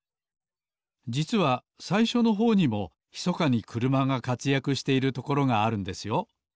じつはさいしょのほうにもひそかにくるまがかつやくしているところがあるんですよ